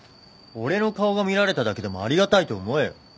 俺の顔が見られただけでもありがたいと思えよ。